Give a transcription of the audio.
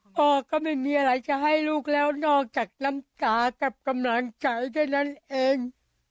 พ่อก็ไม่มีอะไรจะให้ลูกแล้วนอกจากน้ำตากับกำลังใจเท่านั้นเอง